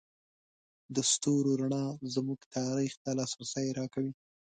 د ستورو رڼا زموږ تاریخ ته لاسرسی راکوي.